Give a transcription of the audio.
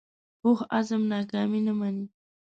پوخ عزم ناکامي نه مني